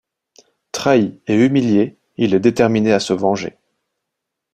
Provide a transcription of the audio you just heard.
Trahi et humilié, il est déterminé à se venger.